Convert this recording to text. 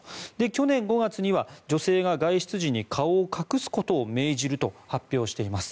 去年５月には女性が外出時に顔を隠すことを命じると発表しています。